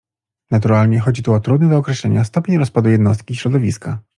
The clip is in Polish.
Naturalnie chodzi tu o trudny do określenia stopień roz padu jednostki i środowiska.